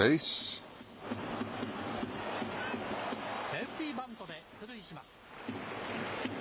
セーフティーバントで出塁します。